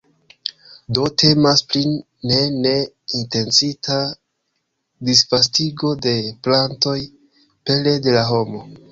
Do temas pri ne ne intencita disvastigo de plantoj pere de la homo.